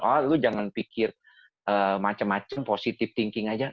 oh lu jangan pikir macam macam positif thinking aja